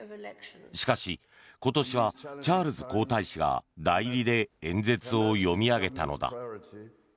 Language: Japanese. しかし今年はチャールズ皇太子が代理で演説を読み上げたのだ。